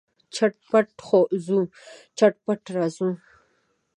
چټ پټ ځو، چټ پټ راځو.